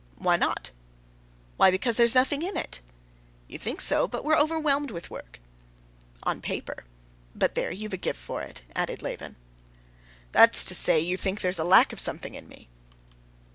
"Why not?" "Why, because there's nothing in it." "You think so, but we're overwhelmed with work." "On paper. But, there, you've a gift for it," added Levin. "That's to say, you think there's a lack of something in me?"